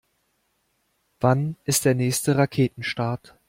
Wann ist der nächste Raketenstart?